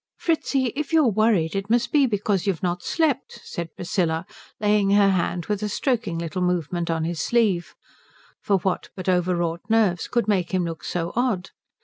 "Fritzi, if you are worried it must be because you've not slept," said Priscilla, laying her hand with a stroking little movement on his sleeve; for what but overwrought nerves could make him look so odd?